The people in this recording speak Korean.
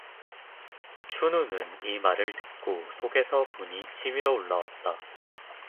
춘우는 이 말을 듣고 속에서 분이 치밀어 올라왔다.